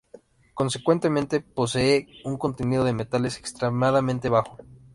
Consecuentemente, posee un contenido de metales extremadamente bajo.